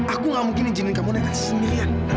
aku nggak mungkin izinkan kamu naik taksi sendirian